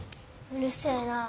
うるせえなあ。